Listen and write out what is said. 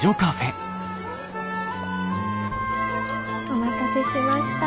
お待たせしました。